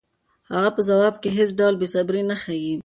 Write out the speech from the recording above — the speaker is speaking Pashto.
هغه په ځواب کې هېڅ ډول بېصبري نه ښيي.